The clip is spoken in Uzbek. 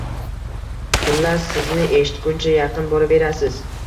Xullas, sizni eshitguncha yaqin boraverasiz.